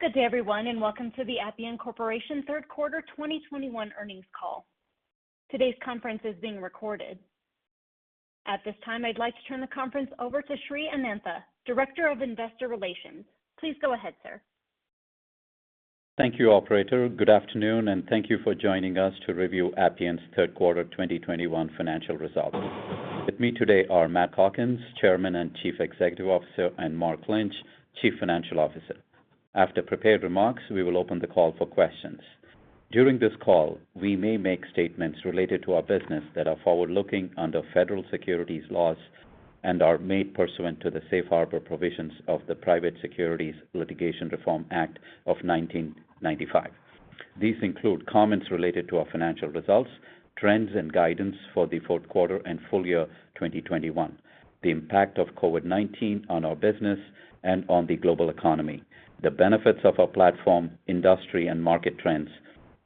Good day everyone, and welcome to the Appian Corporation third quarter 2021 earnings call. Today's conference is being recorded. At this time, I'd like to turn the conference over to Sri Anantha, Director of Investor Relations. Please go ahead, sir. Thank you, operator. Good afternoon, and thank you for joining us to review Appian's third quarter 2021 financial results. With me today are Matt Calkins, Chairman and Chief Executive Officer, and Mark Lynch, Chief Financial Officer. After prepared remarks, we will open the call for questions. During this call, we may make statements related to our business that are forward-looking under federal securities laws and are made pursuant to the Safe Harbor provisions of the Private Securities Litigation Reform Act of 1995. These include comments related to our financial results, trends and guidance for the fourth quarter and full year 2021, the impact of COVID-19 on our business and on the global economy, the benefits of our platform, industry and market trends,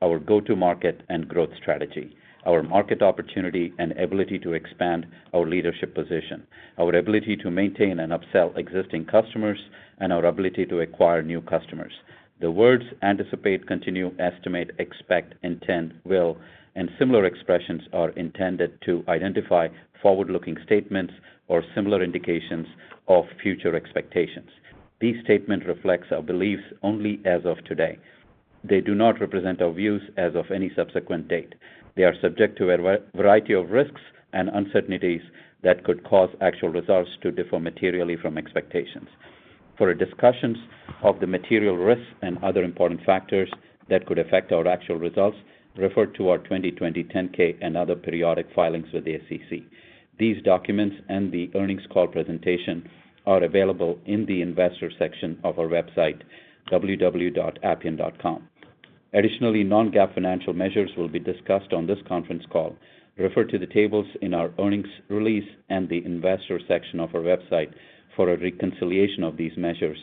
our go-to-market and growth strategy, our market opportunity and ability to expand our leadership position, our ability to maintain and upsell existing customers, and our ability to acquire new customers. The words anticipate, continue, estimate, expect, intend, will, and similar expressions are intended to identify forward-looking statements or similar indications of future expectations. These statements reflect our beliefs only as of today. They do not represent our views as of any subsequent date. They are subject to a variety of risks and uncertainties that could cause actual results to differ materially from expectations. For discussions of the material risks and other important factors that could affect our actual results, refer to our 2020 10-K and other periodic filings with the SEC. These documents and the earnings call presentation are available in the investor section of our website, appian.com. Additionally, non-GAAP financial measures will be discussed on this conference call. Refer to the tables in our earnings release and the investor section of our website for a reconciliation of these measures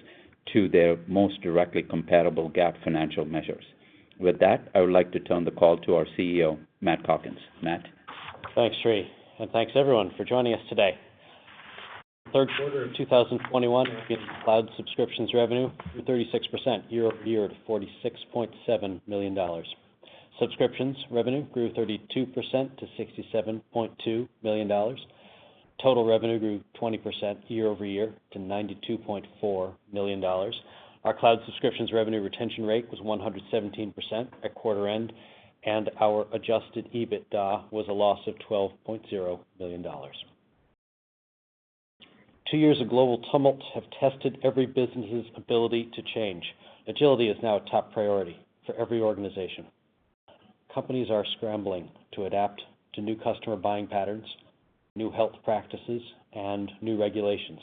to their most directly comparable GAAP financial measures. With that, I would like to turn the call to our CEO, Matt Calkins. Matt? Thanks, Sri, and thanks everyone for joining us today. Third quarter 2021, Appian's cloud subscriptions revenue grew 36% year-over-year to $46.7 million. Subscriptions revenue grew 32% to $67.2 million. Total revenue grew 20% year-over-year to $92.4 million. Our cloud subscriptions revenue retention rate was 117% at quarter end, and our adjusted EBITDA was a loss of $12.0 million. 2 years of global tumult have tested every business's ability to change. Agility is now a top priority for every organization. Companies are scrambling to adapt to new customer buying patterns, new health practices, and new regulations.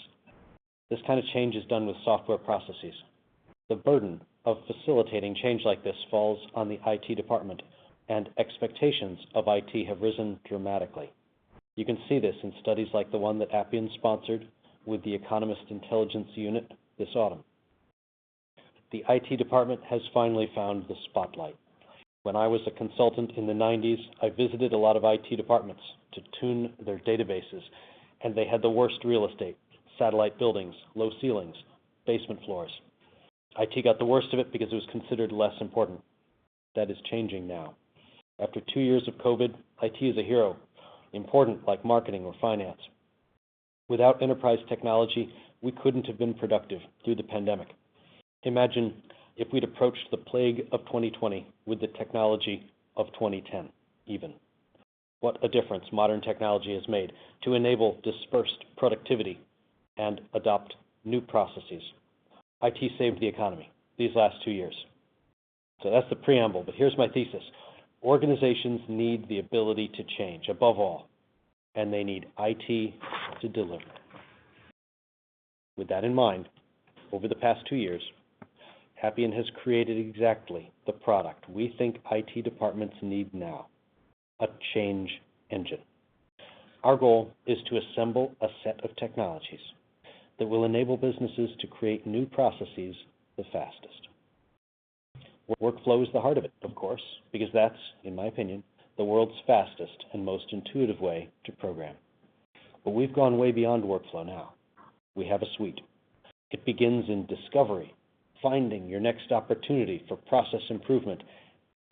This kind of change is done with software processes. The burden of facilitating change like this falls on the IT department, and expectations of IT have risen dramatically. You can see this in studies like the one that Appian sponsored with The Economist Intelligence Unit this autumn. The IT department has finally found the spotlight. When I was a consultant in the 1990s, I visited a lot of IT departments to tune their databases, and they had the worst real estate, satellite buildings, low ceilings, basement floors. IT got the worst of it because it was considered less important. That is changing now. After two years of COVID, IT is a hero, important like marketing or finance. Without enterprise technology, we couldn't have been productive through the pandemic. Imagine if we'd approached the plague of 2020 with the technology of 2010 even. What a difference modern technology has made to enable dispersed productivity and adopt new processes. IT saved the economy these last two years. That's the preamble, but here's my thesis. Organizations need the ability to change above all, and they need IT to deliver it. With that in mind, over the past two years, Appian has created exactly the product we think IT departments need now, a change engine. Our goal is to assemble a set of technologies that will enable businesses to create new processes the fastest. Workflow is the heart of it, of course, because that's, in my opinion, the world's fastest and most intuitive way to program. We've gone way beyond workflow now. We have a suite. It begins in discovery, finding your next opportunity for process improvement,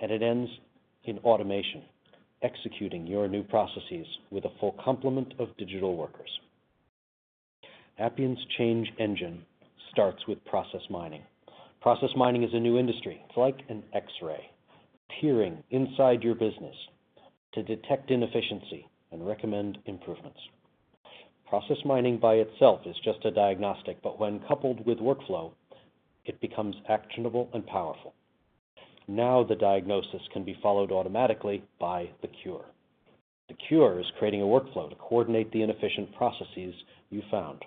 and it ends in automation, executing your new processes with a full complement of digital workers. Appian's change engine starts with process mining. Process mining is a new industry. It's like an X-ray, peering inside your business to detect inefficiency and recommend improvements. Process mining by itself is just a diagnostic, but when coupled with workflow, it becomes actionable and powerful. Now, the diagnosis can be followed automatically by the cure. The cure is creating a workflow to coordinate the inefficient processes you found.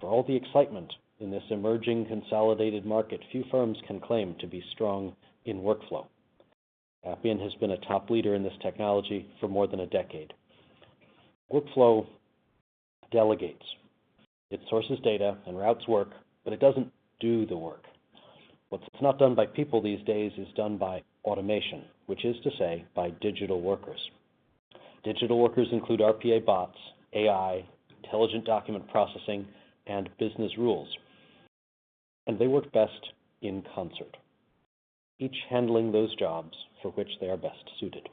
For all the excitement in this emerging consolidated market, few firms can claim to be strong in workflow. Appian has been a top leader in this technology for more than a decade. Workflow delegates. It sources data and routes work, but it doesn't do the work. What's not done by people these days is done by automation, which is to say, by digital workers. Digital workers include RPA bots, AI, intelligent document processing, and business rules. They work best in concert, each handling those jobs for which they are best suited.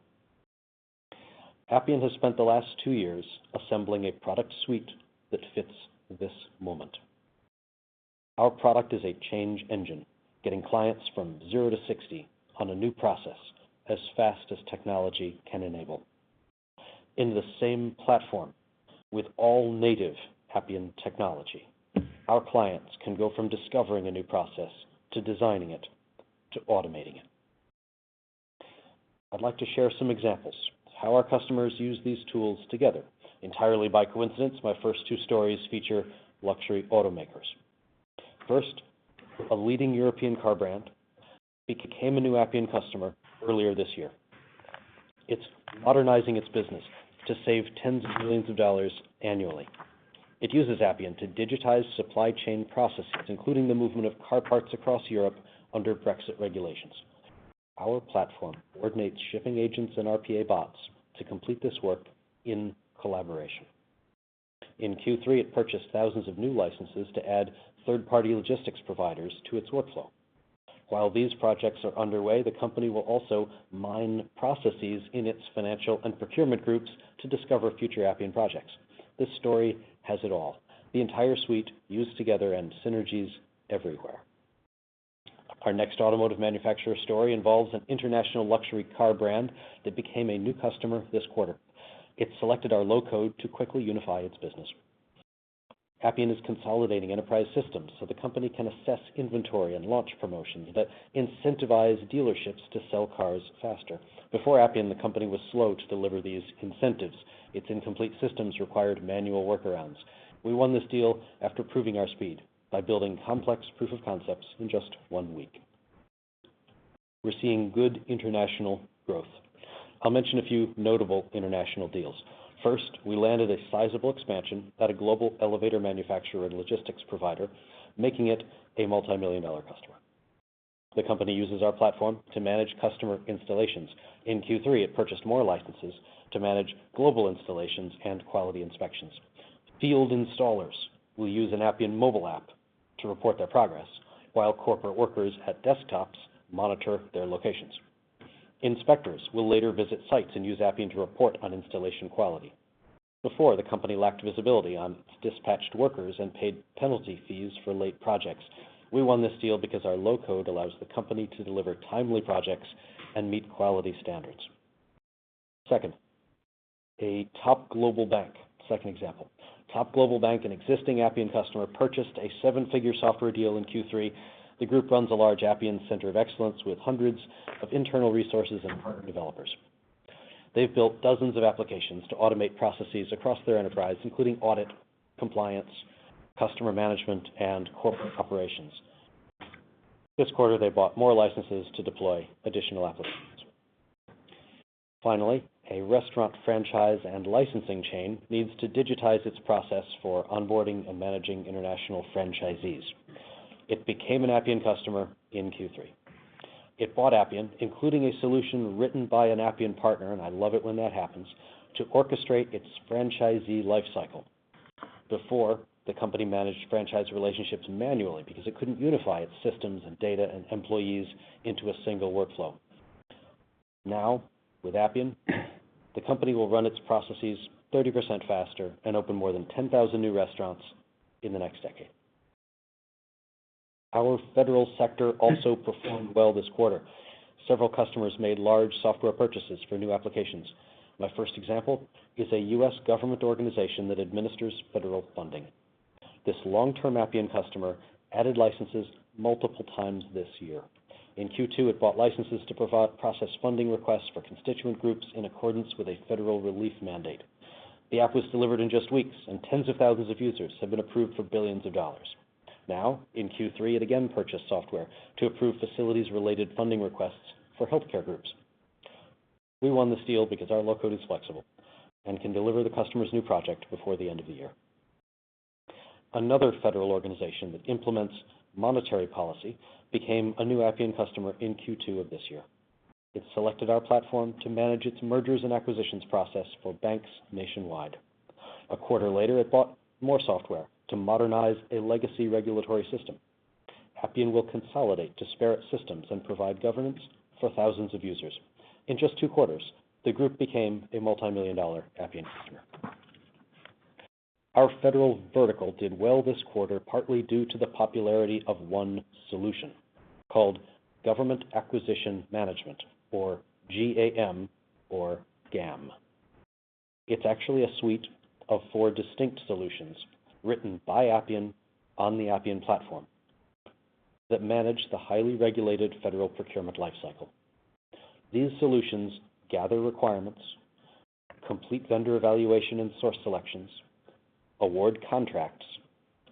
Appian has spent the last two years assembling a product suite that fits this moment. Our product is a change engine, getting clients from zero to sixty on a new process as fast as technology can enable. In the same platform with all native Appian technology, our clients can go from discovering a new process, to designing it, to automating it. I'd like to share some examples of how our customers use these tools together. Entirely by coincidence, my first two stories feature luxury automakers. First, a leading European car brand became a new Appian customer earlier this year. It's modernizing its business to save $ tens of millions annually. It uses Appian to digitize supply chain processes, including the movement of car parts across Europe under Brexit regulations. Our platform coordinates shipping agents and RPA bots to complete this work in collaboration. In Q3, it purchased thousands of new licenses to add third-party logistics providers to its workflow. While these projects are underway, the company will also mine processes in its financial and procurement groups to discover future Appian projects. This story has it all. The entire suite used together and synergies everywhere. Our next automotive manufacturer story involves an international luxury car brand that became a new customer this quarter. It selected our low-code to quickly unify its business. Appian is consolidating enterprise systems so the company can assess inventory and launch promotions that incentivize dealerships to sell cars faster. Before Appian, the company was slow to deliver these incentives. Its incomplete systems required manual workarounds. We won this deal after proving our speed by building complex proof of concepts in just one week. We're seeing good international growth. I'll mention a few notable international deals. First, we landed a sizable expansion at a global elevator manufacturer and logistics provider, making it a multi-million-dollar customer. The company uses our platform to manage customer installations. In Q3, it purchased more licenses to manage global installations and quality inspections. Field installers will use an Appian mobile app to report their progress while corporate workers at desktops monitor their locations. Inspectors will later visit sites and use Appian to report on installation quality. Before, the company lacked visibility on its dispatched workers and paid penalty fees for late projects. We won this deal because our low-code allows the company to deliver timely projects and meet quality standards. Second example, a top global bank, an existing Appian customer, purchased a seven-figure software deal in Q3. The group runs a large Appian center of excellence with hundreds of internal resources and partner developers. They've built dozens of applications to automate processes across their enterprise, including audit, compliance, customer management, and corporate operations. This quarter, they bought more licenses to deploy additional applications. Finally, a restaurant franchise and licensing chain needs to digitize its process for onboarding and managing international franchisees. It became an Appian customer in Q3. It bought Appian, including a solution written by an Appian partner, and I love it when that happens, to orchestrate its franchisee lifecycle. Before, the company managed franchise relationships manually because it couldn't unify its systems and data and employees into a single workflow. Now, with Appian, the company will run its processes 30% faster and open more than 10,000 new restaurants in the next decade. Our federal sector also performed well this quarter. Several customers made large software purchases for new applications. My first example is a U.S. government organization that administers federal funding. This long-term Appian customer added licenses multiple times this year. In Q2, it bought licenses to provide process funding requests for constituent groups in accordance with a federal relief mandate. The app was delivered in just weeks, and tens of thousands of users have been approved for $ billions. Now, in Q3, it again purchased software to approve facilities-related funding requests for healthcare groups. We won this deal because our low-code is flexible and can deliver the customer's new project before the end of the year. Another federal organization that implements monetary policy became a new Appian customer in Q2 of this year. It selected our platform to manage its mergers and acquisitions process for banks nationwide. A quarter later, it bought more software to modernize a legacy regulatory system. Appian will consolidate disparate systems and provide governance for thousands of users. In just two quarters, the group became a multi-million-dollar Appian customer. Our federal vertical did well this quarter, partly due to the popularity of one solution called Government Acquisition Management, or G-A-M or GAM. It's actually a suite of four distinct solutions written by Appian on the Appian platform that manage the highly regulated federal procurement lifecycle. These solutions gather requirements, complete vendor evaluation and source selections, award contracts,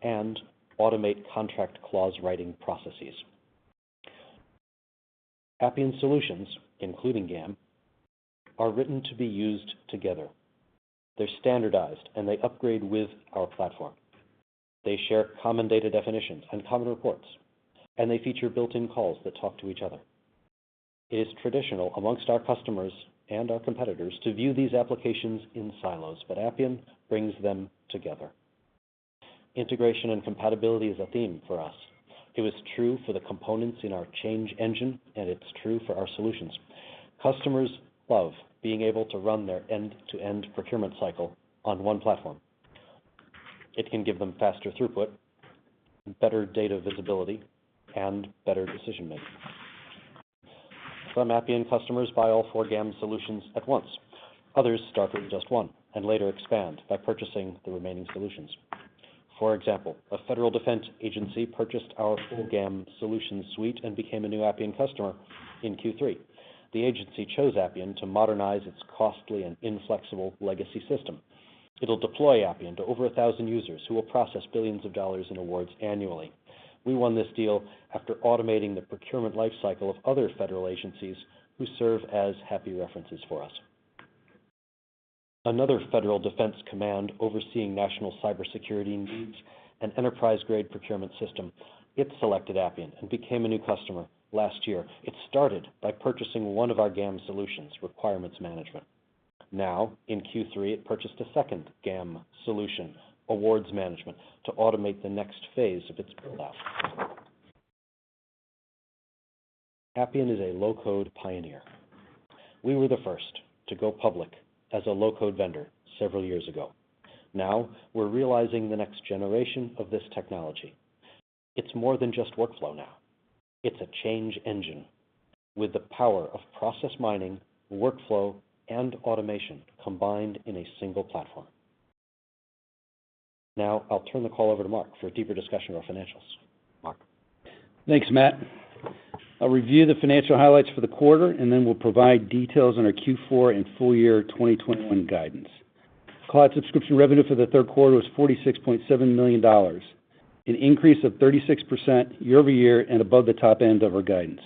and automate contract clause writing processes. Appian solutions, including GAM, are written to be used together. They're standardized, and they upgrade with our platform. They share common data definitions and common reports, and they feature built-in calls that talk to each other. It is traditional among our customers and our competitors to view these applications in silos, but Appian brings them together. Integration and compatibility is a theme for us. It was true for the components in our change engine, and it's true for our solutions. Customers love being able to run their end-to-end procurement cycle on one platform. It can give them faster throughput, better data visibility, and better decision-making. Some Appian customers buy all four GAM solutions at once. Others start with just one and later expand by purchasing the remaining solutions. For example, a federal defense agency purchased our full GAM solution suite and became a new Appian customer in Q3. The agency chose Appian to modernize its costly and inflexible legacy system. It'll deploy Appian to over 1,000 users who will process billions of dollars in awards annually. We won this deal after automating the procurement lifecycle of other federal agencies who serve as happy references for us. Another federal defense command overseeing national cybersecurity needs an enterprise-grade procurement system. It selected Appian and became a new customer last year. It started by purchasing one of our GAM solutions, Requirements Management. Now, in Q3, it purchased a second GAM solution, Award Management, to automate the next phase of its rollout. Appian is a low-code pioneer. We were the first to go public as a low-code vendor several years ago. Now we're realizing the next generation of this technology. It's more than just workflow now. It's a change engine with the power of process mining, workflow, and automation combined in a single platform. Now, I'll turn the call over to Mark for a deeper discussion of our financials. Mark? Thanks, Matt. I'll review the financial highlights for the quarter, and then we'll provide details on our Q4 and full year 2021 guidance. Cloud subscription revenue for the third quarter was $46.7 million, an increase of 36% year-over-year and above the top end of our guidance.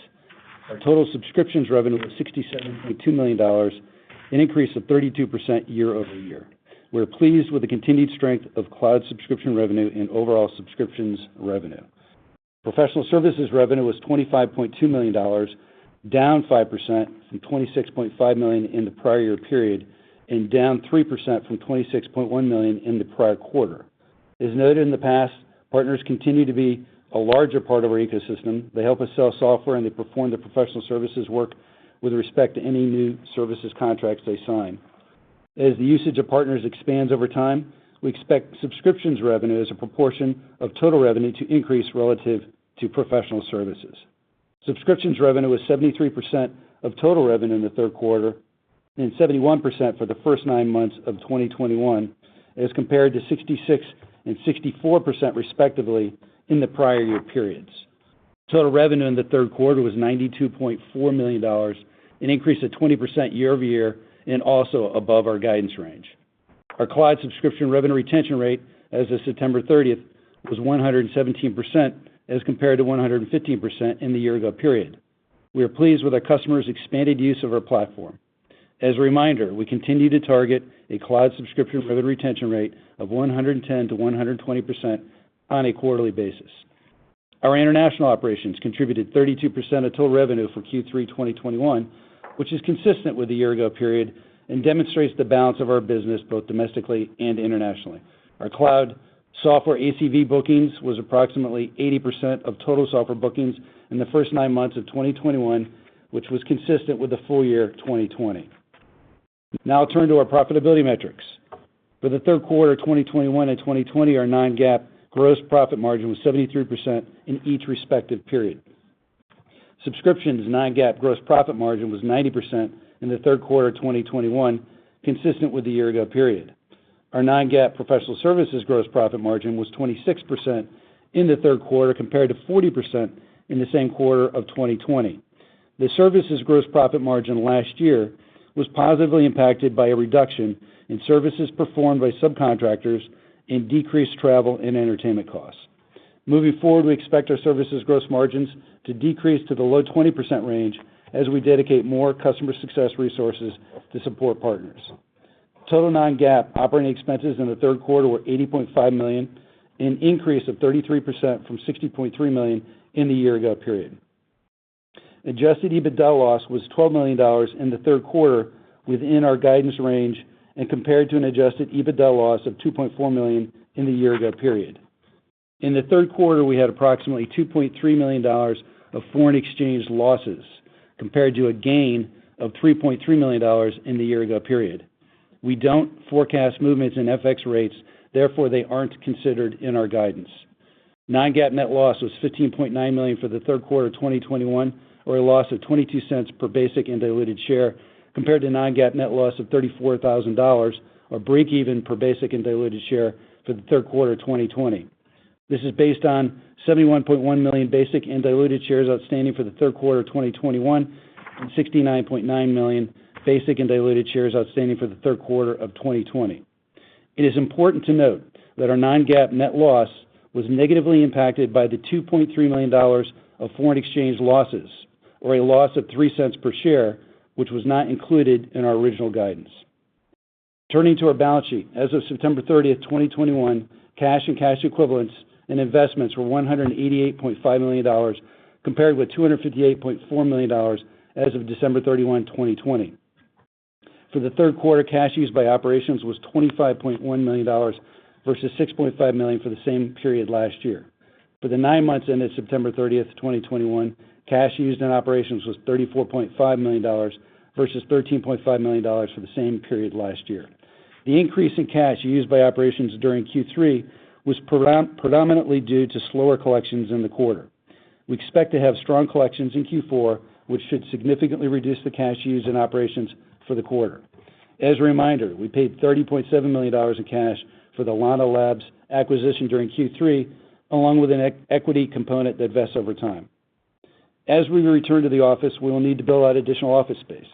Our total subscriptions revenue was $67.2 million, an increase of 32% year-over-year. We're pleased with the continued strength of cloud subscription revenue and overall subscriptions revenue. Professional services revenue was $25.2 million, down 5% from $26.5 million in the prior year period, and down 3% from $26.1 million in the prior quarter. As noted in the past, partners continue to be a larger part of our ecosystem. They help us sell software, and they perform the professional services work with respect to any new services contracts they sign. As the usage of partners expands over time, we expect subscriptions revenue as a proportion of total revenue to increase relative to professional services. Subscriptions revenue was 73% of total revenue in the third quarter and 71% for the first nine months of 2021, as compared to 66% and 64%, respectively, in the prior year periods. Total revenue in the third quarter was $92.4 million, an increase of 20% year-over-year and also above our guidance range. Our cloud subscription revenue retention rate as of September 30 was 117%, as compared to 115% in the year ago period. We are pleased with our customers' expanded use of our platform. As a reminder, we continue to target a cloud subscription revenue retention rate of 110%-120% on a quarterly basis. Our international operations contributed 32% of total revenue for Q3 2021, which is consistent with the year ago period and demonstrates the balance of our business, both domestically and internationally. Our cloud software ACV bookings was approximately 80% of total software bookings in the first nine months of 2021, which was consistent with the full year of 2020. Now I'll turn to our profitability metrics. For the third quarter of 2021 and 2020, our non-GAAP gross profit margin was 73% in each respective period. Subscriptions non-GAAP gross profit margin was 90% in the third quarter of 2021, consistent with the year ago period. Our non-GAAP professional services gross profit margin was 26% in the third quarter, compared to 40% in the same quarter of 2020. The services gross profit margin last year was positively impacted by a reduction in services performed by subcontractors and decreased travel and entertainment costs. Moving forward, we expect our services gross margins to decrease to the low 20% range as we dedicate more customer success resources to support partners. Total non-GAAP operating expenses in the third quarter were $80.5 million, an increase of 33% from $60.3 million in the year ago period. Adjusted EBITDA loss was $12 million in the third quarter, within our guidance range and compared to an adjusted EBITDA loss of $2.4 million in the year ago period. In the third quarter, we had approximately $2.3 million of foreign exchange losses, compared to a gain of $3.3 million in the year ago period. We don't forecast movements in FX rates, therefore they aren't considered in our guidance. Non-GAAP net loss was $15.9 million for the third quarter of 2021, or a loss of $0.22 per basic and diluted share, compared to non-GAAP net loss of $34,000 or break even per basic and diluted share for the third quarter of 2020. This is based on 71.1 million basic and diluted shares outstanding for the third quarter of 2021 and 69.9 million basic and diluted shares outstanding for the third quarter of 2020. It is important to note that our non-GAAP net loss was negatively impacted by the $2.3 million of foreign exchange losses, or a loss of $0.03 per share, which was not included in our original guidance. Turning to our balance sheet. As of September 30, 2021, cash and cash equivalents and investments were $188.5 million compared with $258.4 million as of December 31, 2020. For the third quarter, cash used by operations was $25.1 million versus $6.5 million for the same period last year. For the nine months ended September 30, 2021, cash used in operations was $34.5 million versus $13.5 million for the same period last year. The increase in cash used by operations during Q3 was predominantly due to slower collections in the quarter. We expect to have strong collections in Q4, which should significantly reduce the cash used in operations for the quarter. As a reminder, we paid $30.7 million in cash for the Lana Labs acquisition during Q3, along with an equity component that vests over time. As we return to the office, we will need to build out additional office space.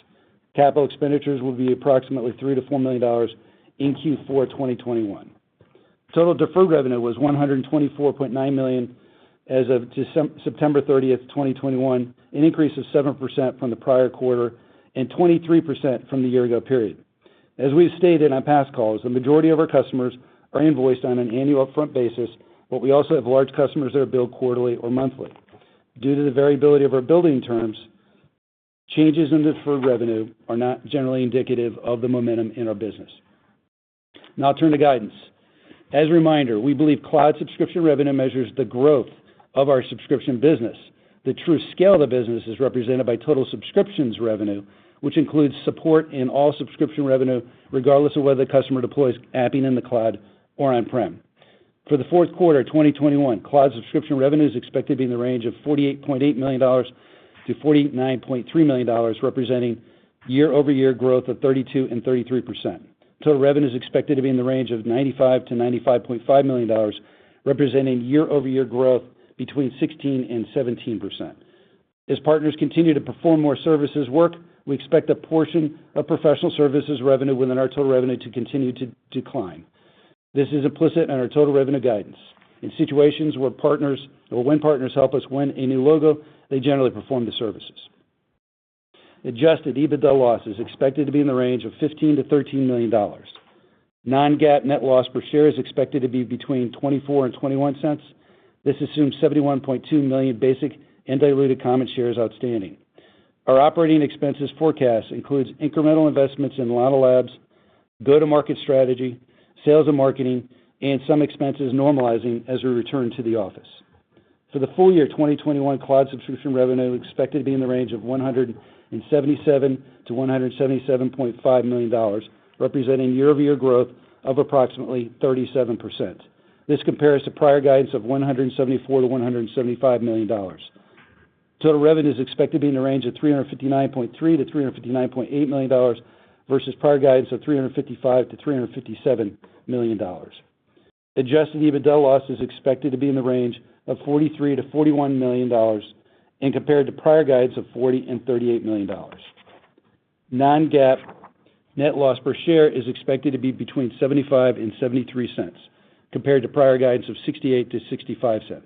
Capital expenditures will be approximately $3 million-$4 million in Q4 2021. Total deferred revenue was $124.9 million as of September 30, 2021, an increase of 7% from the prior quarter and 23% from the year ago period. As we've stated on past calls, the majority of our customers are invoiced on an annual upfront basis, but we also have large customers that are billed quarterly or monthly. Due to the variability of our billing terms, changes in deferred revenue are not generally indicative of the momentum in our business. Now I'll turn to guidance. As a reminder, we believe cloud subscription revenue measures the growth of our subscription business. The true scale of the business is represented by total subscriptions revenue, which includes support in all subscription revenue, regardless of whether the customer deploys Appian in the cloud or on-prem. For the fourth quarter of 2021, cloud subscription revenue is expected to be in the range of $48.8 million-$49.3 million, representing year-over-year growth of 32% and 33%. Total revenue is expected to be in the range of $95 million-$95.5 million, representing 16%-17% year-over-year growth. As partners continue to perform more services work, we expect a portion of professional services revenue within our total revenue to continue to decline. This is implicit in our total revenue guidance. When partners help us win a new logo, they generally perform the services. Adjusted EBITDA loss is expected to be in the range of $15 million-$13 million. Non-GAAP net loss per share is expected to be between $0.24 and $0.21. This assumes 71.2 million basic and diluted common shares outstanding. Our operating expenses forecast includes incremental investments in Lana Labs, go-to-market strategy, sales and marketing, and some expenses normalizing as we return to the office. For the full year 2021, cloud subscription revenue is expected to be in the range of $177 million-$177.5 million, representing year-over-year growth of approximately 37%. This compares to prior guidance of $174 million-$175 million. Total revenue is expected to be in the range of $359.3 million-$359.8 million versus prior guidance of $355 million-$357 million. Adjusted EBITDA loss is expected to be in the range of $43 million-$41 million compared to prior guidance of $40 million-$38 million. Non-GAAP net loss per share is expected to be between $0.75 and $0.73 compared to prior guidance of $0.68-$0.65.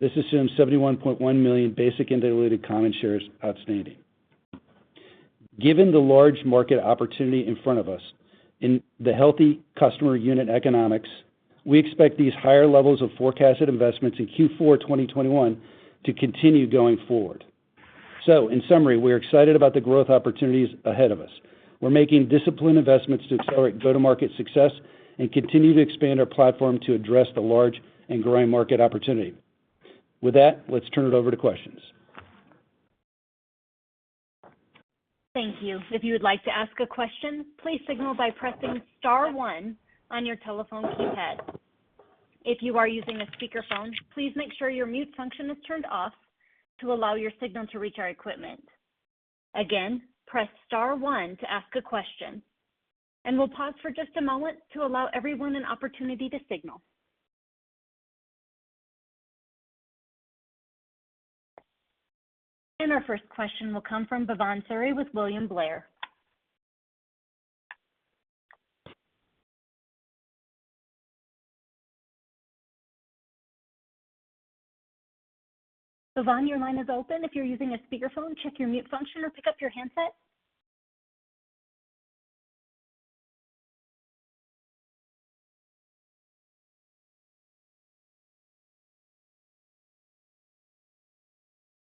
This assumes 71.1 million basic and diluted common shares outstanding. Given the large market opportunity in front of us and the healthy customer unit economics, we expect these higher levels of forecasted investments in Q4 2021 to continue going forward. In summary, we're excited about the growth opportunities ahead of us. We're making disciplined investments to accelerate go-to-market success and continue to expand our platform to address the large and growing market opportunity. With that, let's turn it over to questions. Thank you. If you would like to ask a question, please signal by pressing star one on your telephone keypad. If you are using a speakerphone, please make sure your mute function is turned off to allow your signal to reach our equipment. Again, press star one to ask a question. We'll pause for just a moment to allow everyone an opportunity to signal. Our first question will come from Bhavan Suri with William Blair. Bhavan, your line is open. If you're using a speakerphone, check your mute function or pick up your handset.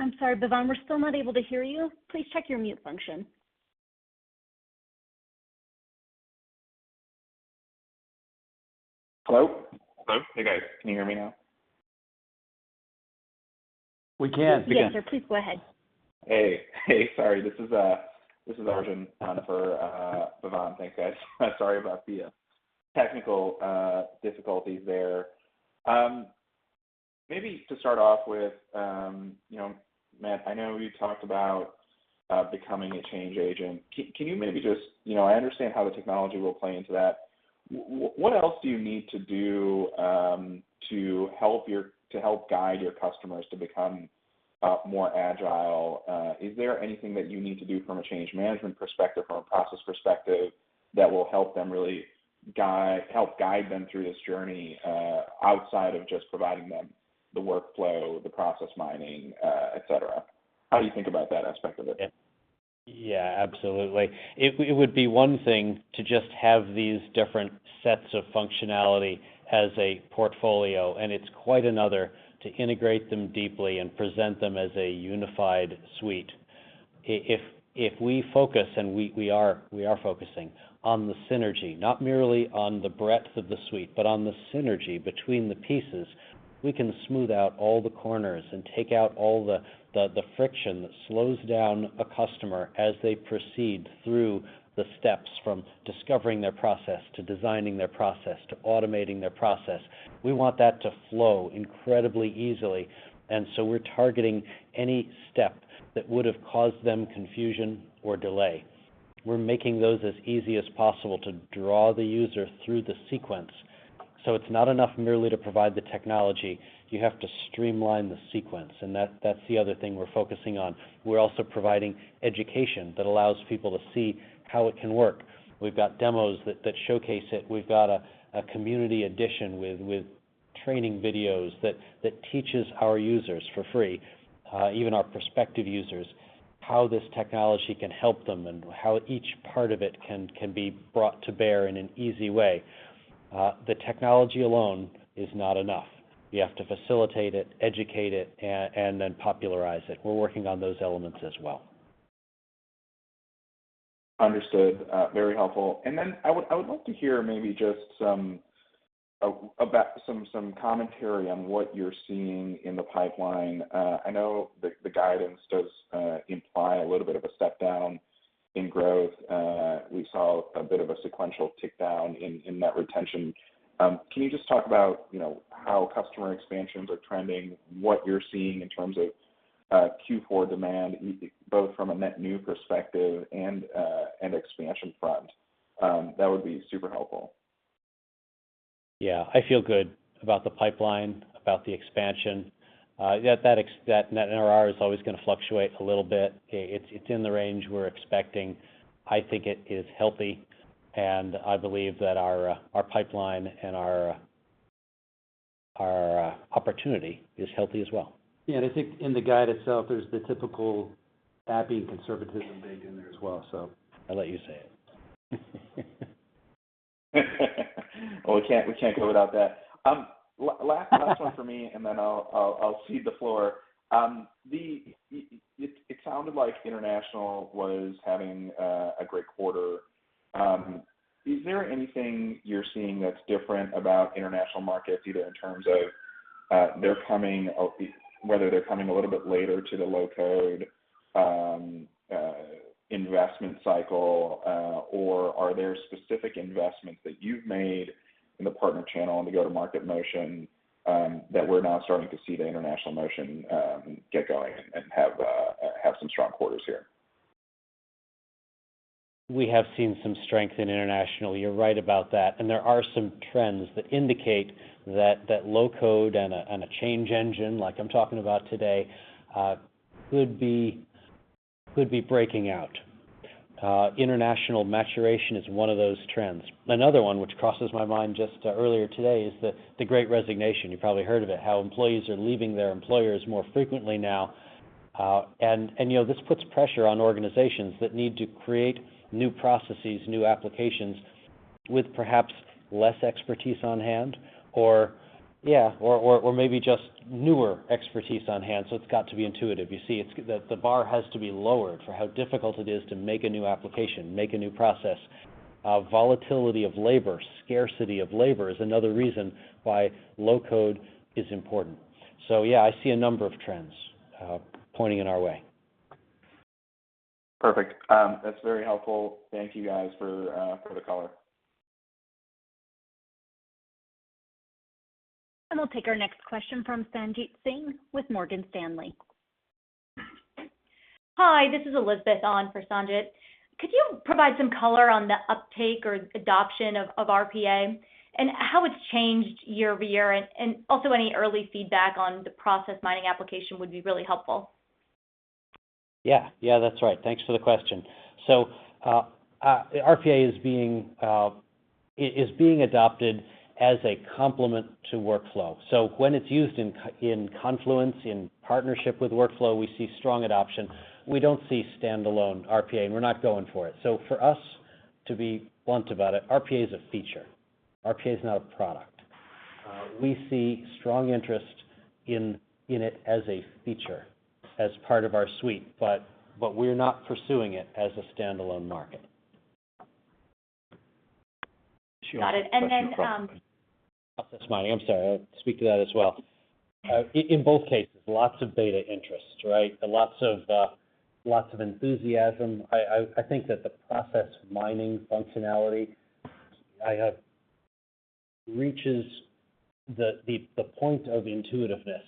I'm sorry, Bhavan, we're still not able to hear you. Please check your mute function. Hello? Hello. Hey, guys. Can you hear me now? We can. Yes. Yes, sir. Please go ahead. Hey, hey, sorry. This is Arjun stand-in for Bhavan. Thanks, guys. Sorry about the technical difficulties there. Maybe to start off with, you know, Matt, I know you talked about becoming a change agent. Can you maybe just, you know, I understand how the technology will play into that. What else do you need to do to help guide your customers to become more agile? Is there anything that you need to do from a change management perspective, from a process perspective that will help them really help guide them through this journey outside of just providing them the workflow, the process mining, et cetera? How do you think about that aspect of it? Yeah, absolutely. It would be one thing to just have these different sets of functionality as a portfolio, and it's quite another to integrate them deeply and present them as a unified suite. If we focus, and we are focusing on the synergy, not merely on the breadth of the suite, but on the synergy between the pieces, we can smooth out all the corners and take out all the friction that slows down a customer as they proceed through the steps from discovering their process to designing their process to automating their process. We want that to flow incredibly easily, and so we're targeting any step that would've caused them confusion or delay. We're making those as easy as possible to draw the user through the sequence. It's not enough merely to provide the technology. You have to streamline the sequence, and that's the other thing we're focusing on. We're also providing education that allows people to see how it can work. We've got demos that showcase it. We've got a community edition with training videos that teaches our users for free, even our prospective users, how this technology can help them and how each part of it can be brought to bear in an easy way. The technology alone is not enough. You have to facilitate it, educate it, and then popularize it. We're working on those elements as well. Understood. Very helpful. Then I would love to hear maybe just some commentary on what you're seeing in the pipeline. I know the guidance does imply a little bit of a step down in growth. We saw a bit of a sequential tick down in net retention. Can you just talk about, you know, how customer expansions are trending, what you're seeing in terms of Q4 demand, both from a net new perspective and an expansion front? That would be super helpful. Yeah. I feel good about the pipeline, about the expansion. Yeah, that net NRR is always gonna fluctuate a little bit. It's in the range we're expecting. I think it is healthy, and I believe that our pipeline and our opportunity is healthy as well. Yeah. I think in the guide itself, there's the typical Appian conservatism baked in there as well, so I'll let you say it. Well, we can't go without that. Last one from me, and then I'll cede the floor. It sounded like international was having a great quarter. Is there anything you're seeing that's different about international markets, either in terms of whether they're coming a little bit later to the low-code investment cycle, or are there specific investments that you've made in the partner channel and the go-to-market motion, that we're now starting to see the international motion get going and have some strong quarters here? We have seen some strength in international. You're right about that. There are some trends that indicate that low-code and a change engine, like I'm talking about today, could be breaking out. International maturation is one of those trends. Another one which crosses my mind just earlier today is the Great Resignation. You probably heard of it, how employees are leaving their employers more frequently now. You know, this puts pressure on organizations that need to create new processes, new applications with perhaps less expertise on hand or maybe just newer expertise on hand, so it's got to be intuitive. The bar has to be lowered for how difficult it is to make a new application, make a new process. Volatility of labor, scarcity of labor is another reason why low code is important. Yeah, I see a number of trends pointing in our way. Perfect. That's very helpful. Thank you guys for the color. We'll take our next question from Sanjit Singh with Morgan Stanley. Hi, this is Elizabeth on for Sanjit. Could you provide some color on the uptake or adoption of RPA and how it's changed year over year? Any early feedback on the process mining application would be really helpful. Yeah. Yeah, that's right. Thanks for the question. RPA is being adopted as a complement to workflow. When it's used in confluence, in partnership with workflow, we see strong adoption. We don't see standalone RPA, and we're not going for it. For us, to be blunt about it, RPA is a feature. RPA is not a product. We see strong interest in it as a feature, as part of our suite, but we're not pursuing it as a standalone market. Got it. Process mining. I'm sorry. I'll speak to that as well. In both cases, lots of data interest, right? Lots of enthusiasm. I think that the process mining functionality reaches the point of intuitiveness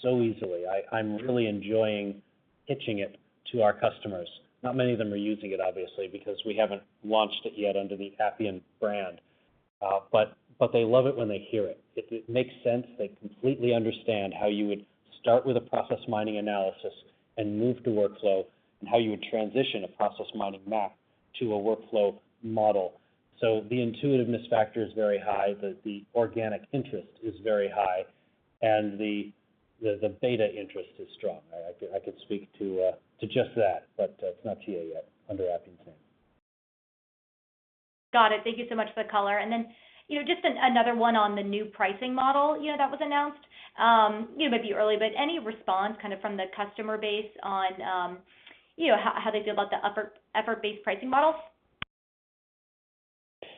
so easily. I'm really enjoying pitching it to our customers. Not many of them are using it, obviously, because we haven't launched it yet under the Appian brand. They love it when they hear it. It makes sense. They completely understand how you would start with a process mining analysis and move to workflow, and how you would transition a process mining map to a workflow model. The intuitiveness factor is very high, the organic interest is very high, and the beta interest is strong. I could speak to just that, but it's not GA yet under Appian's name. Got it. Thank you so much for the color. You know, just another one on the new pricing model, you know, that was announced. You know, it might be early, but any response kind of from the customer base on, you know, how they feel about the effort-based pricing model?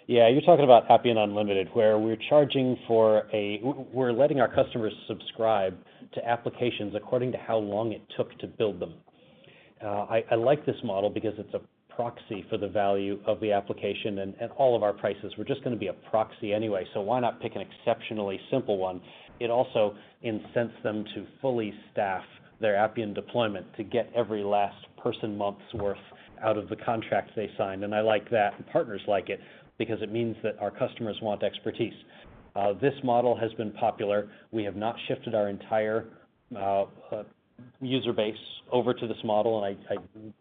Yeah. You're talking about Appian Unlimited, where we're letting our customers subscribe to applications according to how long it took to build them. I like this model because it's a proxy for the value of the application and all of our prices. We're just gonna be a proxy anyway, so why not pick an exceptionally simple one? It also incents them to fully staff their Appian deployment to get every last person month's worth out of the contracts they signed. I like that, and partners like it because it means that our customers want expertise. This model has been popular. We have not shifted our entire user base over to this model, and I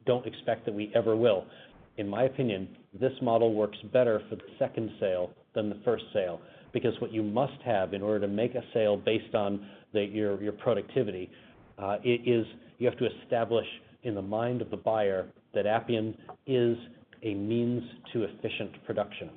don't expect that we ever will. In my opinion, this model works better for the second sale than the first sale because what you must have in order to make a sale based on your productivity is you have to establish in the mind of the buyer that Appian is a means to efficient production.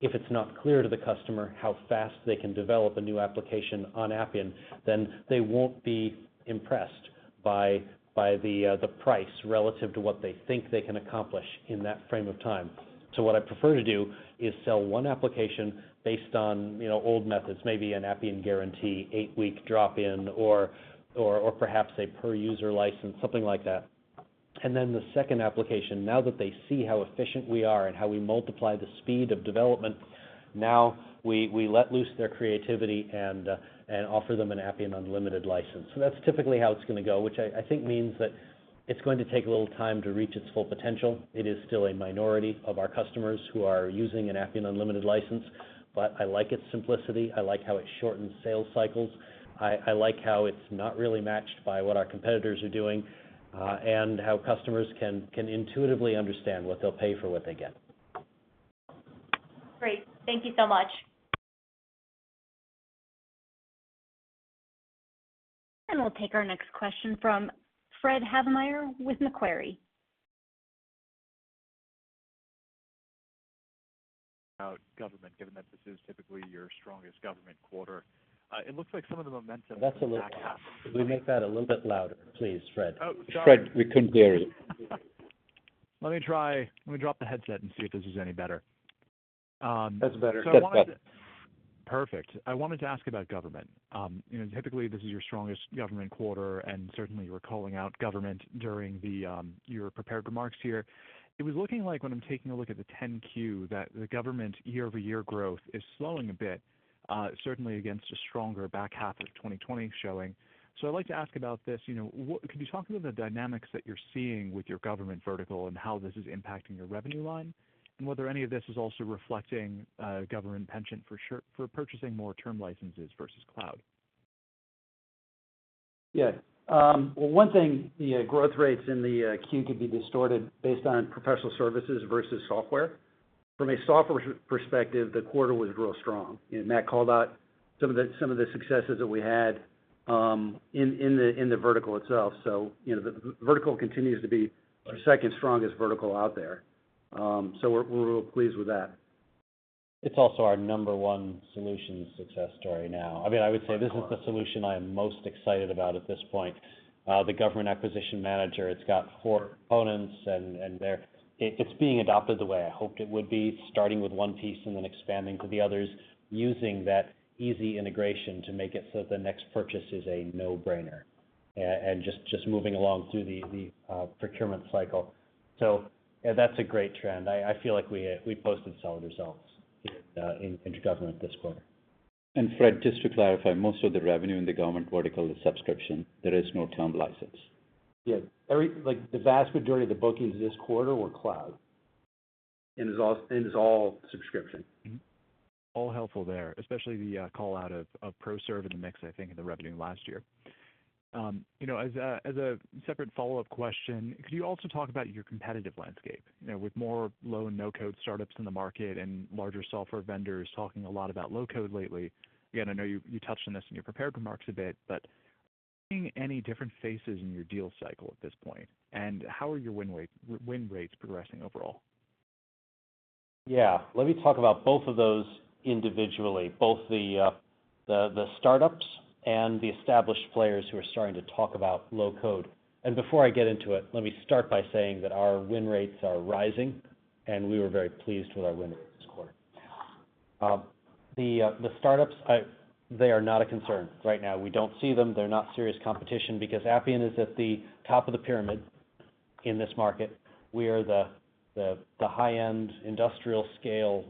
If it's not clear to the customer how fast they can develop a new application on Appian, then they won't be impressed by the price relative to what they think they can accomplish in that frame of time. What I prefer to do is sell one application based on, you know, old methods, maybe an Appian Guarantee, 8-week drop-in or perhaps a per user license, something like that. Then the second application, now that they see how efficient we are and how we multiply the speed of development, we let loose their creativity and offer them an Appian Unlimited license. That's typically how it's gonna go, which I think means that it's going to take a little time to reach its full potential. It is still a minority of our customers who are using an Appian Unlimited license, but I like its simplicity. I like how it shortens sales cycles. I like how it's not really matched by what our competitors are doing, and how customers can intuitively understand what they'll pay for what they get. Great. Thank you so much. We'll take our next question from Fred Havemeyer with Macquarie. About government, given that this is typically your strongest government quarter. It looks like some of the momentum from the back half- That's a little loud. Could we make that a little bit louder, please, Fred? Oh, sorry. Fred, we couldn't hear you. Let me drop the headset and see if this is any better. That's better. I wanted to ask about government. You know, typically, this is your strongest government quarter, and certainly you were calling out government during your prepared remarks here. It was looking like when I'm taking a look at the 10-Q that the government year-over-year growth is slowing a bit, certainly against a stronger back half of 2020 showing. I'd like to ask about this. Could you talk about the dynamics that you're seeing with your government vertical and how this is impacting your revenue line? And whether any of this is also reflecting, government penchant for sure for purchasing more term licenses versus cloud. Yeah. Well, one thing, the growth rates in the Q could be distorted based on professional services versus software. From a software perspective, the quarter was real strong. Matt called out some of the successes that we had in the vertical itself. You know, the vertical continues to be our second strongest vertical out there. We're real pleased with that. It's also our number one solution success story now. I mean, I would say this is the solution I am most excited about at this point. The Government Acquisition Management, it's got four components and they're... It's being adopted the way I hoped it would be, starting with one piece and then expanding to the others, using that easy integration to make it so the next purchase is a no-brainer, and just moving along through the procurement cycle. Yeah, that's a great trend. I feel like we posted solid results in government this quarter. Fred, just to clarify, most of the revenue in the government vertical is subscription. There is no term license. Yeah. Like, the vast majority of the bookings this quarter were cloud. It's all subscription. Mm-hmm. All helpful there, especially the call out of pro serve in the mix, I think, in the revenue last year. You know, as a separate follow-up question, could you also talk about your competitive landscape? You know, with more low and no-code startups in the market and larger software vendors talking a lot about low code lately. Again, I know you touched on this in your prepared remarks a bit, but are you seeing any different faces in your deal cycle at this point? And how are your win rates progressing overall? Yeah. Let me talk about both of those individually, both the startups and the established players who are starting to talk about low code. Before I get into it, let me start by saying that our win rates are rising, and we were very pleased with our win rates this quarter. The startups, they are not a concern right now. We don't see them. They're not serious competition because Appian is at the top of the pyramid in this market. We are the high-end industrial scale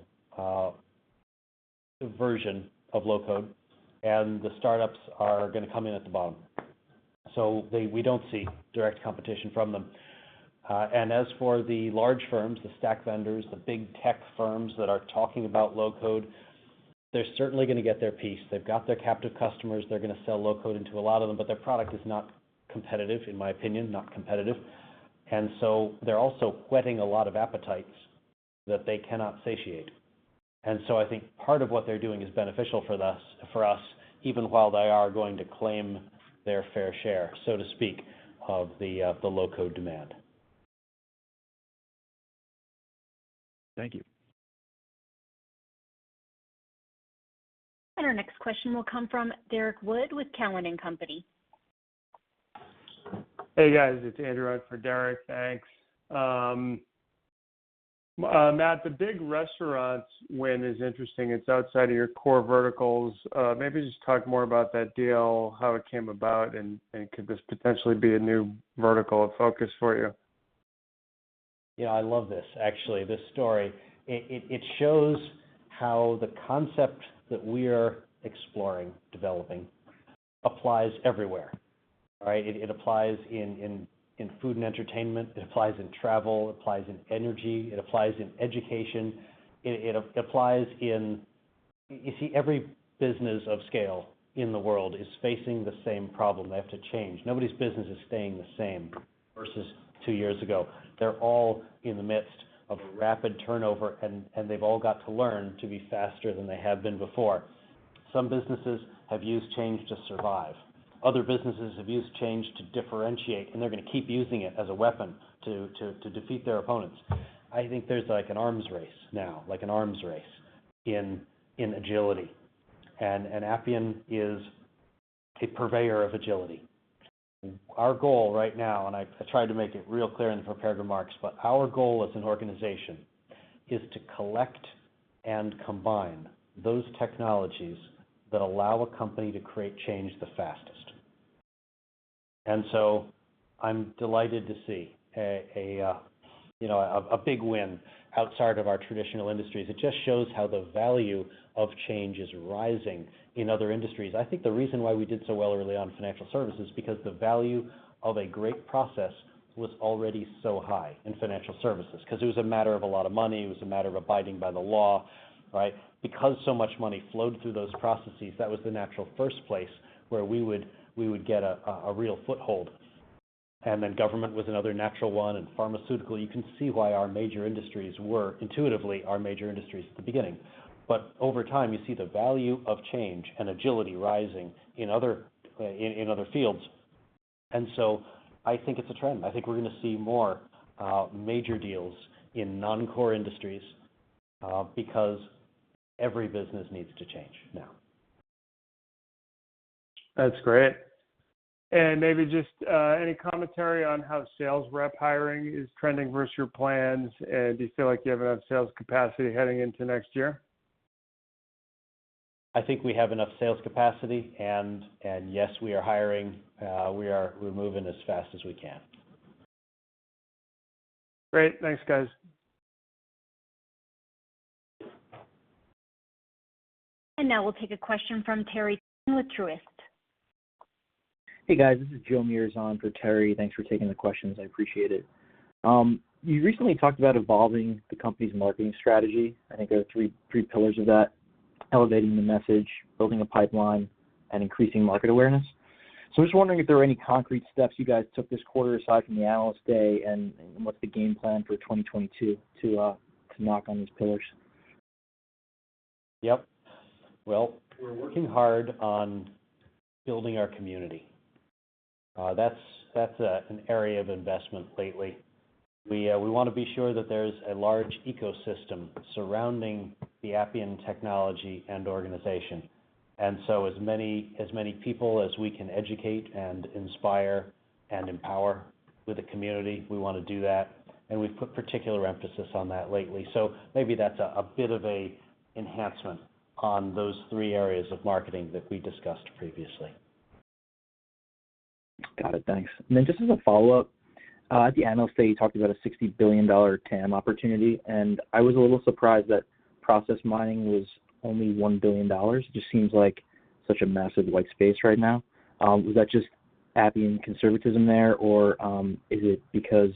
version of low code, and the startups are gonna come in at the bottom. We don't see direct competition from them. And as for the large firms, the stack vendors, the big tech firms that are talking about low code, they're certainly gonna get their piece. They've got their captive customers. They're gonna sell low-code into a lot of them, but their product is not competitive, in my opinion. They're also whetting a lot of appetites that they cannot satiate. I think part of what they're doing is beneficial for us, even while they are going to claim their fair share, so to speak, of the low-code demand. Thank you. Our next question will come from Derrick Wood with Cowen and Company. Hey, guys. It's Andrew in for Derrick. Thanks. Matt, the big restaurants win is interesting. It's outside of your core verticals. Maybe just talk more about that deal, how it came about, and could this potentially be a new vertical of focus for you? Yeah, I love this, actually, this story. It shows how the concept that we are exploring, developing applies everywhere, right? It applies in food and entertainment, it applies in travel, it applies in energy, it applies in education. You see, every business of scale in the world is facing the same problem. They have to change. Nobody's business is staying the same versus two years ago. They're all in the midst of a rapid turnover, and they've all got to learn to be faster than they have been before. Some businesses have used change to survive. Other businesses have used change to differentiate, and they're gonna keep using it as a weapon to defeat their opponents. I think there's like an arms race now, like an arms race in agility. Appian is a purveyor of agility. Our goal right now, I tried to make it real clear in the prepared remarks, but our goal as an organization is to collect and combine those technologies that allow a company to create change the fastest. I'm delighted to see a big win outside of our traditional industries. It just shows how the value of change is rising in other industries. I think the reason why we did so well early on in financial services, because the value of a great process was already so high in financial services 'cause it was a matter of a lot of money, it was a matter of abiding by the law, right? Because so much money flowed through those processes, that was the natural first place where we would get a real foothold. Government was another natural one, and pharmaceutical. You can see why our major industries were intuitively our major industries at the beginning. Over time, you see the value of change and agility rising in other fields. I think it's a trend. I think we're gonna see more major deals in non-core industries, because every business needs to change now. That's great. Maybe just any commentary on how sales rep hiring is trending versus your plans? Do you feel like you have enough sales capacity heading into next year? I think we have enough sales capacity, and yes, we are hiring. We're moving as fast as we can. Great. Thanks, guys. Now we'll take a question from Terry with Truist. Hey, guys. This is Joe Meares for Terry. Thanks for taking the questions. I appreciate it. You recently talked about evolving the company's marketing strategy. I think there are three pillars of that: elevating the message, building a pipeline, and increasing market awareness. I'm just wondering if there are any concrete steps you guys took this quarter aside from the Analyst Day, and what's the game plan for 2022 to knock on these pillars? Yep. Well, we're working hard on building our community. That's an area of investment lately. We wanna be sure that there's a large ecosystem surrounding the Appian technology and organization. As many people as we can educate and inspire and empower with the community, we wanna do that. We've put particular emphasis on that lately. Maybe that's a bit of an enhancement on those three areas of marketing that we discussed previously. Got it. Thanks. Just as a follow-up, at the Analyst Day, you talked about a $60 billion TAM opportunity, and I was a little surprised that process mining was only $1 billion. It just seems like such a massive white space right now. Was that just Appian conservatism there, or is it because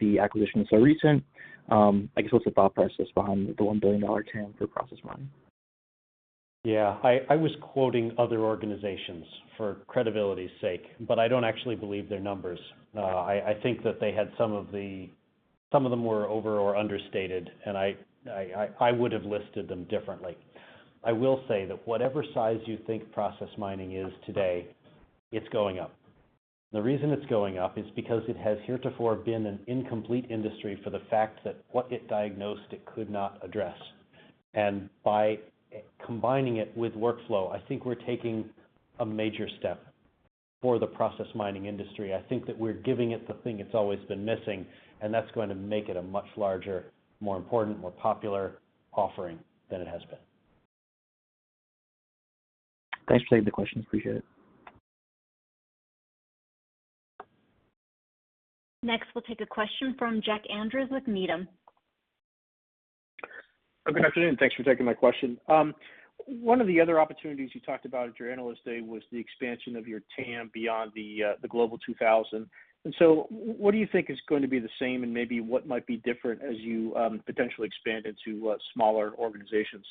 the acquisition is so recent? I guess, what's the thought process behind the $1 billion TAM for process mining? Yeah. I was quoting other organizations for credibility's sake, but I don't actually believe their numbers. I think that they had some of them were over or understated, and I would have listed them differently. I will say that whatever size you think process mining is today, it's going up. The reason it's going up is because it has heretofore been an incomplete industry for the fact that what it diagnosed, it could not address. By combining it with workflow, I think we're taking a major step for the process mining industry. I think that we're giving it the thing it's always been missing, and that's going to make it a much larger, more important, more popular offering than it has been. Thanks for taking the questions. Appreciate it. Next, we'll take a question from Jack Andrews with Needham. Good afternoon. Thanks for taking my question. One of the other opportunities you talked about at your Analyst Day was the expansion of your TAM beyond the Global 2000. What do you think is going to be the same, and maybe what might be different as you potentially expand into smaller organizations?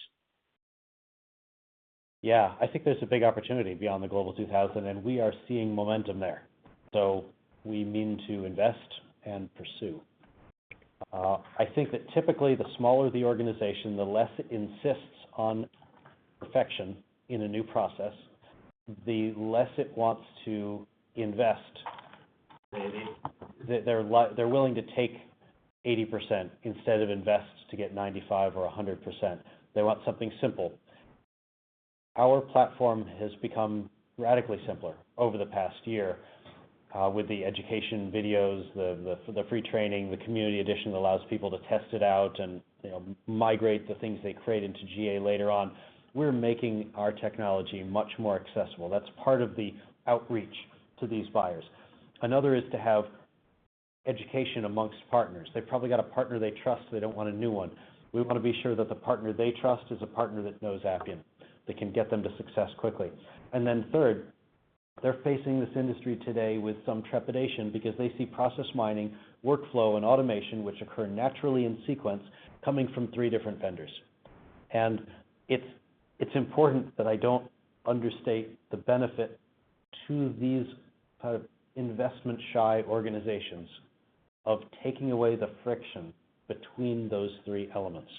Yeah, I think there's a big opportunity beyond the Global 2000, and we are seeing momentum there. We mean to invest and pursue. I think that typically the smaller the organization, the less it insists on perfection in a new process, the less it wants to invest. Maybe. That they're willing to take 80% instead of invest to get 95% or 100%. They want something simple. Our platform has become radically simpler over the past year with the education videos, the free training. The Community Edition allows people to test it out and, you know, migrate the things they create into GA later on. We're making our technology much more accessible. That's part of the outreach to these buyers. Another is to have education amongst partners. They've probably got a partner they trust, so they don't want a new one. We wanna be sure that the partner they trust is a partner that knows Appian, that can get them to success quickly. Third, they're facing this industry today with some trepidation because they see process mining, workflow, and automation, which occur naturally in sequence, coming from three different vendors. It's important that I don't understate the benefit to these kind of investment-shy organizations of taking away the friction between those three elements,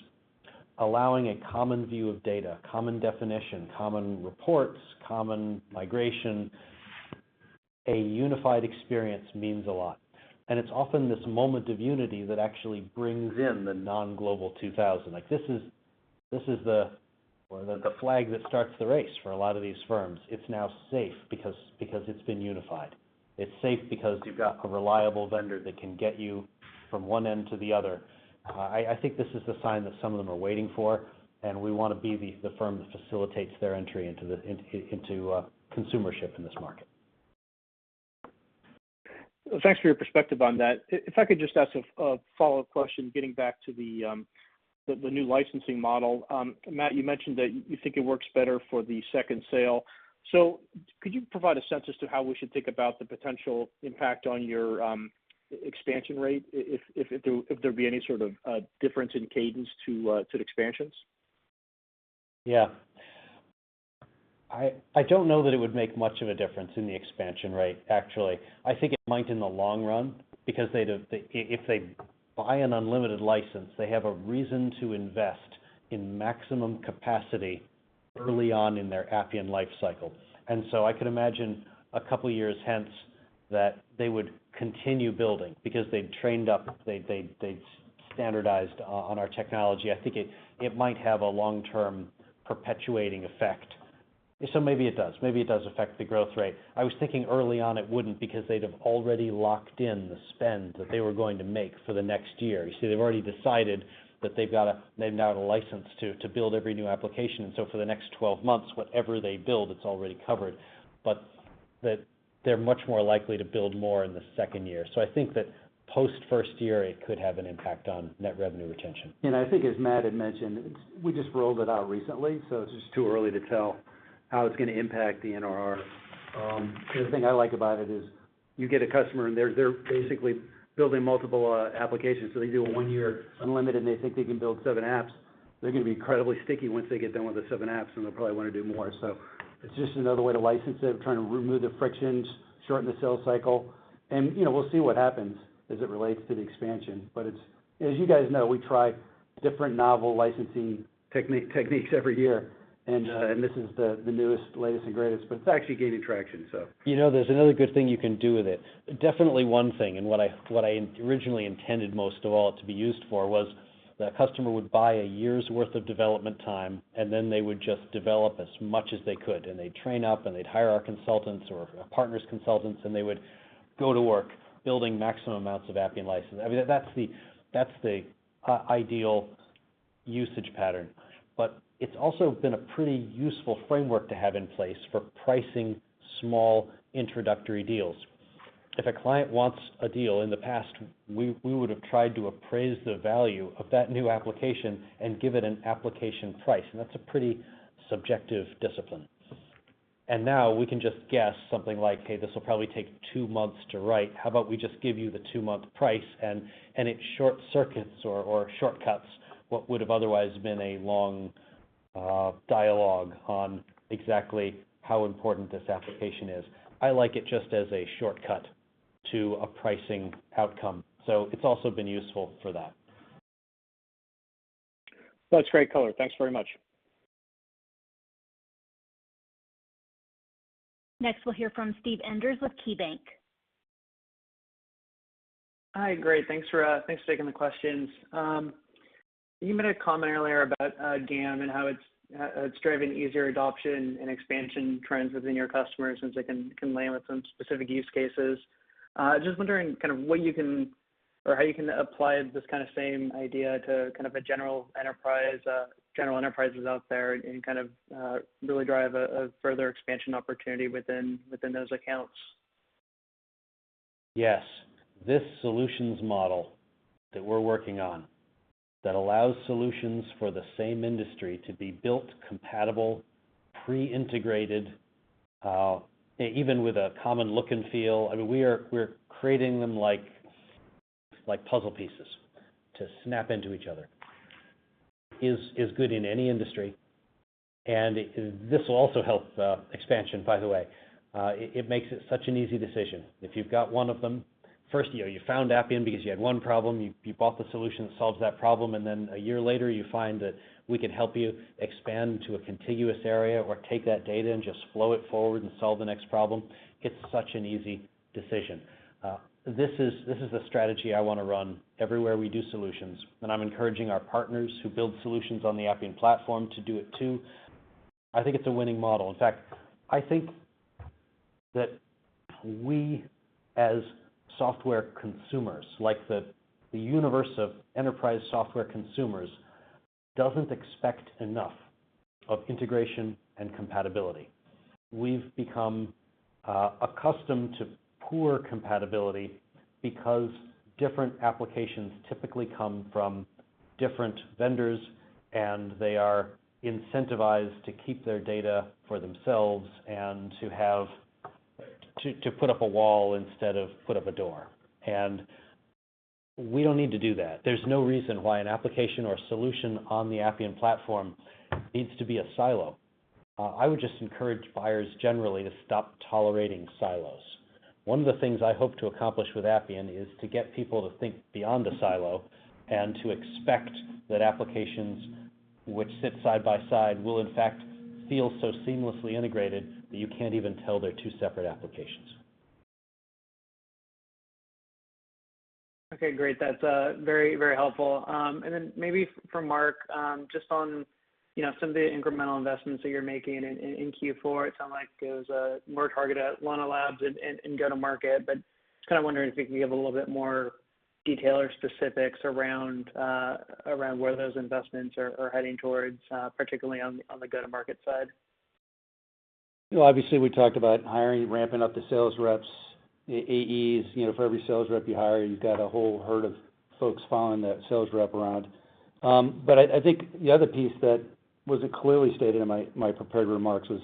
allowing a common view of data, common definition, common reports, common migration. A unified experience means a lot. It's often this moment of unity that actually brings in the non-Global 2000. Like, this is the flag that starts the race for a lot of these firms. It's now safe because it's been unified. It's safe because you've got a reliable vendor that can get you from one end to the other. I think this is the sign that some of them are waiting for, and we wanna be the firm that facilitates their entry into consumership in this market. Thanks for your perspective on that. If I could just ask a follow-up question, getting back to the new licensing model. Matt, you mentioned that you think it works better for the second sale. Could you provide a sense as to how we should think about the potential impact on your expansion rate if there'd be any sort of difference in cadence to the expansions? Yeah. I don't know that it would make much of a difference in the expansion rate, actually. I think it might in the long run because they'd have. If they buy an unlimited license, they have a reason to invest in maximum capacity early on in their Appian life cycle. I could imagine a couple years hence that they would continue building because they've trained up, they've standardized on our technology. I think it might have a long-term perpetuating effect. Maybe it does. Maybe it does affect the growth rate. I was thinking early on it wouldn't because they'd have already locked in the spend that they were going to make for the next year. You see, they've already decided that they've now got a license to build every new application. For the next 12 months, whatever they build, it's already covered, but that they're much more likely to build more in the second year. I think that post first year, it could have an impact on net revenue retention. I think as Matt had mentioned, we just rolled it out recently, so it's just too early to tell how it's gonna impact the NRR. The thing I like about it is you get a customer and they're basically building multiple applications. They do a one-year Unlimited, and they think they can build seven apps. They're gonna be incredibly sticky once they get done with the seven apps, and they'll probably wanna do more. It's just another way to license it, trying to remove the frictions, shorten the sales cycle. You know, we'll see what happens as it relates to the expansion. But it's. As you guys know, we try different novel licensing techniques every year. This is the newest, latest and greatest, but it's actually gaining traction, so. You know, there's another good thing you can do with it. Definitely one thing, and what I originally intended most of all it to be used for, was the customer would buy a year's worth of development time, and then they would just develop as much as they could. They'd train up, and they'd hire our consultants or our partners' consultants, and they would go to work building maximum amounts of Appian license. I mean, that's the ideal usage pattern. It's also been a pretty useful framework to have in place for pricing small introductory deals. If a client wants a deal, in the past, we would have tried to appraise the value of that new application and give it an application price, and that's a pretty subjective discipline. Now we can just guess something like, "Hey, this will probably take two months to write. How about we just give you the two-month price?" It short-circuits or shortcuts what would have otherwise been a long dialogue on exactly how important this application is. I like it just as a shortcut to a pricing outcome, so it's also been useful for that. That's great color. Thanks very much. Next, we'll hear from Steve Enders with KeyBanc. Thanks for taking the questions. You made a comment earlier about GAM and how it's driving easier adoption and expansion trends within your customers since they can land with some specific use cases. Just wondering kind of what you can or how you can apply this kinda same idea to kind of a general enterprise, general enterprises out there and kind of really drive a further expansion opportunity within those accounts. Yes. This solutions model that we're working on that allows solutions for the same industry to be built compatible, pre-integrated, even with a common look and feel. I mean, we're creating them like puzzle pieces to snap into each other is good in any industry, and this will also help expansion, by the way. It makes it such an easy decision. If you've got one of them. First, you know, you found Appian because you had one problem. You bought the solution that solves that problem, and then a year later you find that we can help you expand to a contiguous area or take that data and just flow it forward and solve the next problem. It's such an easy decision. This is the strategy I wanna run everywhere we do solutions, and I'm encouraging our partners who build solutions on the Appian platform to do it too. I think it's a winning model. In fact, I think that we as software consumers, like the universe of enterprise software consumers, doesn't expect enough of integration and compatibility. We've become accustomed to poor compatibility because different applications typically come from different vendors, and they are incentivized to keep their data for themselves and to have to put up a wall instead of put up a door. We don't need to do that. There's no reason why an application or solution on the Appian platform needs to be a silo. I would just encourage buyers generally to stop tolerating silos. One of the things I hope to accomplish with Appian is to get people to think beyond a silo and to expect that applications which sit side by side will in fact feel so seamlessly integrated that you can't even tell they're two separate applications. Okay, great. That's very helpful. Maybe for Mark, just on, you know, some of the incremental investments that you're making in Q4. It sounded like it was more targeted at Lana Labs and go-to-market. Kind of wondering if you can give a little bit more detail or specifics around where those investments are heading towards, particularly on the go-to-market side. Well, obviously, we talked about hiring, ramping up the sales reps. AEs, you know, for every sales rep you hire, you've got a whole herd of folks following that sales rep around. But I think the other piece that wasn't clearly stated in my prepared remarks was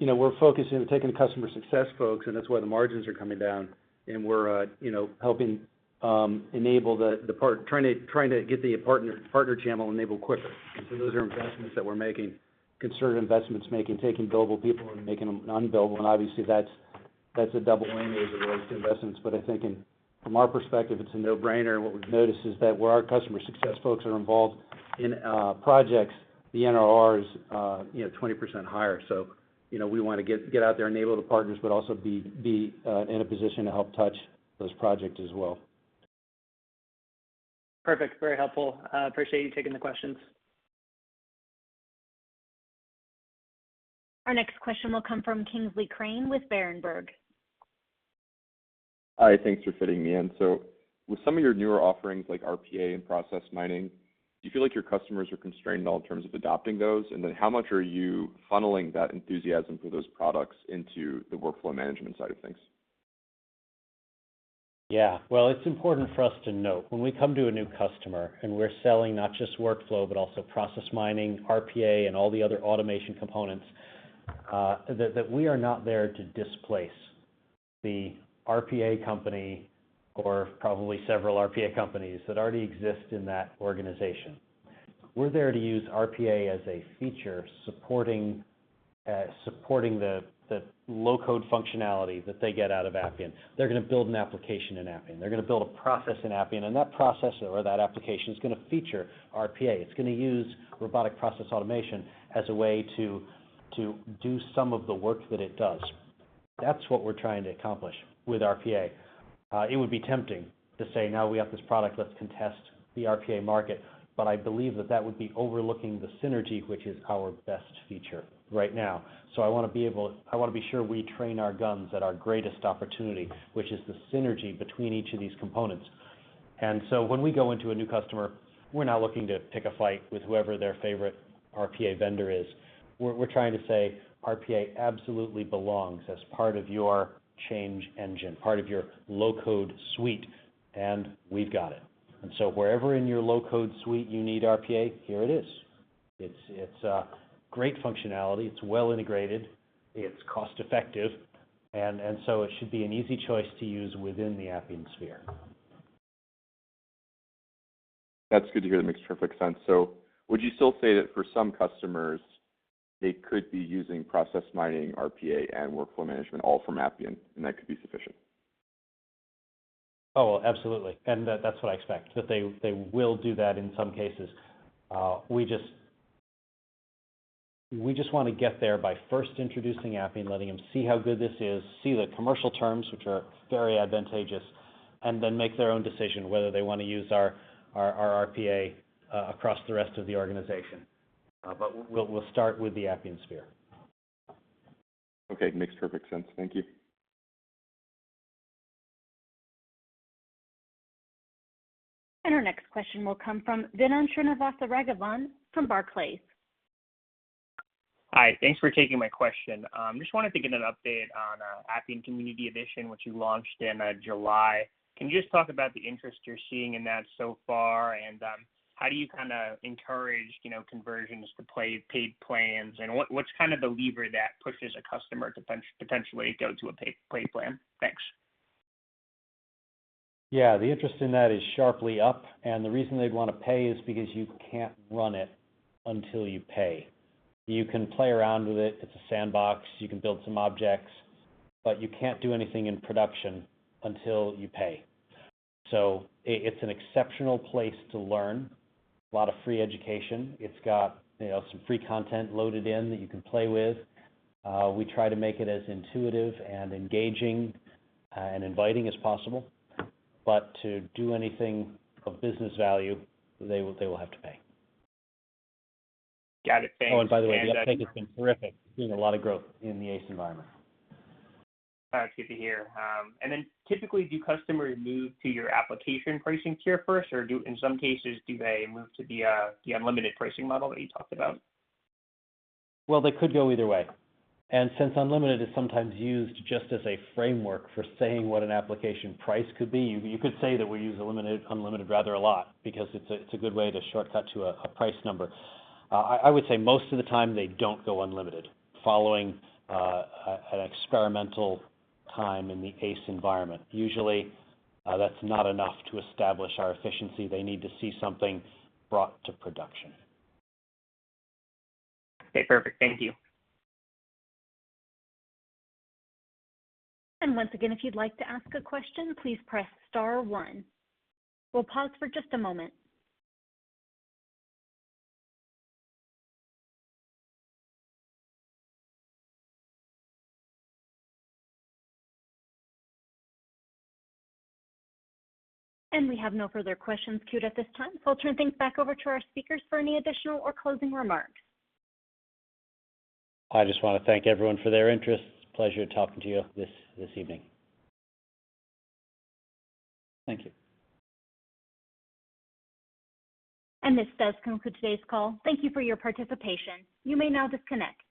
you know, we're focusing on taking customer success folks, and that's why the margins are coming down, and we're you know, helping enable trying to get the partner channel enabled quicker. Those are investments that we're making, considered investments, taking billable people and making them un-billable. Obviously that's a double whammy as it relates to investments. But I think from our perspective, it's a no-brainer. What we've noticed is that where our customer success folks are involved in projects, the NRR is you know 20% higher. You know, we wanna get out there and enable the partners, but also be in a position to help touch those projects as well. Perfect. Very helpful. I appreciate you taking the questions. Our next question will come from Kingsley Crane with Berenberg. Hi. Thanks for fitting me in. With some of your newer offerings like RPA and process mining, do you feel like your customers are constrained at all in terms of adopting those? How much are you funneling that enthusiasm for those products into the workflow management side of things? Well, it's important for us to note when we come to a new customer, and we're selling not just workflow but also process mining, RPA, and all the other automation components, that we are not there to displace the RPA company or probably several RPA companies that already exist in that organization. We're there to use RPA as a feature supporting the low-code functionality that they get out of Appian. They're gonna build an application in Appian. They're gonna build a process in Appian, and that process or that application is gonna feature RPA. It's gonna use robotic process automation as a way to do some of the work that it does. That's what we're trying to accomplish with RPA. It would be tempting to say, now we have this product, let's contest the RPA market. I believe that would be overlooking the synergy, which is our best feature right now. I wanna be sure we train our guns at our greatest opportunity, which is the synergy between each of these components. When we go into a new customer, we're not looking to pick a fight with whoever their favorite RPA vendor is. We're trying to say RPA absolutely belongs as part of your change engine, part of your low-code suite, and we've got it. Wherever in your low-code suite you need RPA, here it is. It's great functionality. It's well integrated. It's cost-effective. It should be an easy choice to use within the Appian sphere. That's good to hear. That makes perfect sense. Would you still say that for some customers, they could be using process mining, RPA, and workflow management all from Appian, and that could be sufficient? Oh, absolutely. That's what I expect, that they will do that in some cases. We just wanna get there by first introducing Appian, letting them see how good this is, see the commercial terms, which are very advantageous, and then make their own decision whether they wanna use our RPA across the rest of the organization. We'll start with the Appian sphere. Okay. Makes perfect sense. Thank you. Our next question will come from Raimo Lenschow from Barclays. Hi. Thanks for taking my question. Just wanted to get an update on Appian Community Edition, which you launched in July. Can you just talk about the interest you're seeing in that so far and how do you kinda encourage, you know, conversions to paid plans? What's kind of the lever that pushes a customer to potentially go to a paid plan? Thanks. Yeah. The interest in that is sharply up, and the reason they'd wanna pay is because you can't run it until you pay. You can play around with it. It's a sandbox. You can build some objects, but you can't do anything in production until you pay. It's an exceptional place to learn, a lot of free education. It's got, you know, some free content loaded in that you can play with. We try to make it as intuitive and engaging and inviting as possible. But to do anything of business value, they will have to pay. Got it. Thanks. Oh, and by the way, the uptake has been terrific. Seeing a lot of growth in the ACE environment. All right. Good to hear. Typically, do customers move to your application pricing tier first, or in some cases, do they move to the unlimited pricing model that you talked about? Well, they could go either way. Since unlimited is sometimes used just as a framework for saying what an application price could be, you could say that we use unlimited rather a lot because it's a good way to shortcut to a price number. I would say most of the time they don't go unlimited following an experimental time in the ACE environment. Usually, that's not enough to establish our efficiency. They need to see something brought to production. Okay. Perfect. Thank you. Once again, if you'd like to ask a question, please press star one. We'll pause for just a moment. We have no further questions queued at this time, so I'll turn things back over to our speakers for any additional or closing remarks. I just wanna thank everyone for their interest. Pleasure talking to you this evening. Thank you. This does conclude today's call. Thank you for your participation. You may now disconnect.